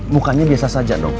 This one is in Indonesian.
mukanya biasa saja dong